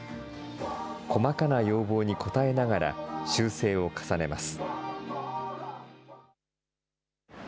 細かな要望に応えながら修正を重ねます。